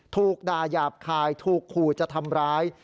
ถูกด่ายาบคายถูกขู่จะทำร้าย